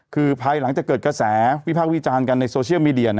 คือภายหลังจากเกิดกระแสวิพากษ์วิจารณ์กันในโซเชียลมีเดีย